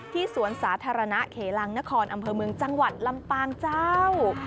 สวนสาธารณะเขลังนครอำเภอเมืองจังหวัดลำปางเจ้า